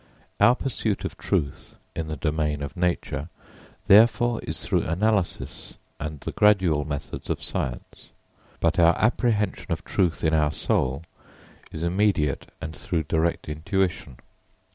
Our pursuit of truth in the domain of nature therefore is through analysis and the gradual methods of science, but our apprehension of truth in our soul is immediate and through direct intuition.